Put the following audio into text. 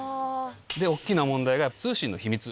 で、おっきな問題が通信の秘密。